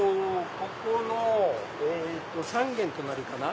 ここの３軒隣かな。